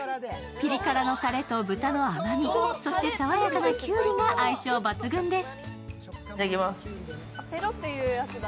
ピリ辛のタレと豚の甘み、そして爽やかなきゅうりが相性抜群です。